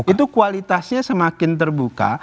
itu kualitasnya semakin terbuka